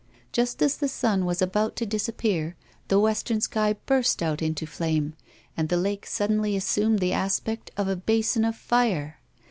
Just as the sun was about to disappear, the western sky burst out into flame, and the lake suddenly assumed the aspect of a basin of fire.